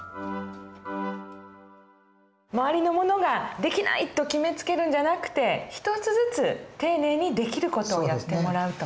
周りの者ができないと決めつけるんじゃなくて一つずつ丁寧にできる事をやってもらうと。